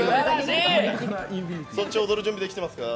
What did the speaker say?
そっち踊る準備できてますか？